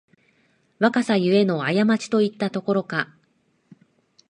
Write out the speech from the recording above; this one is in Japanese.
若さゆえのあやまちといったところか